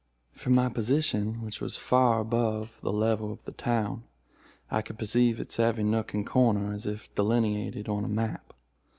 From my position, which was far above the level of the town, I could perceive its every nook and corner, as if delineated on a map.